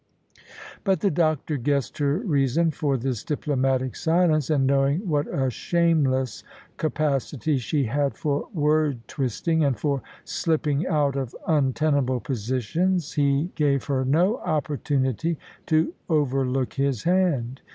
But the doctor guessed her reason for this diplomatic silence, and knowing what a shameless capacity she had for word twisting and for slipping out of untenable positions, he gave her no opportunity to overlook his hand.